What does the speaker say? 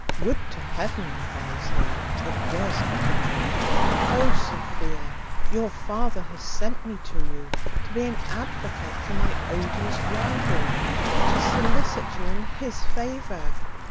"Would to Heaven," cries he, "it was but a dream! Oh, Sophia, your father hath sent me to you, to be an advocate for my odious rival, to solicit you in his favour.